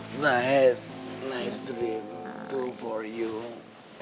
selamat tidur mimpi indah juga buat kamu